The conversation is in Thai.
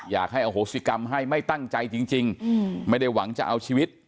อยากให้อโหสิกรรมให้ไม่ตั้งใจจริงไม่ได้หวังจะเอาชีวิต